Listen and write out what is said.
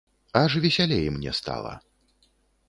Аж весялей мне стала.